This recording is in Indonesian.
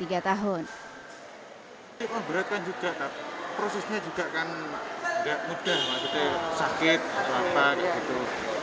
ini berat kan juga prosesnya juga kan tidak mudah maksudnya sakit atau apa gitu